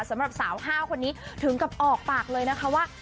สำหรับสาวห้าวคนนี้ถึงกับออกปากเลยนะคะว่า